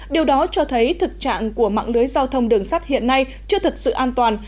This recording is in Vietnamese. điều đó cho thấy thực trạng của mạng lưới giao thông đường sắt hiện nay chưa thực sự an toàn